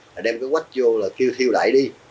là đem cái quách vô là kêu thiêu đẩy đi